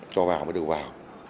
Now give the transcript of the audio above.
cho vào mới được vào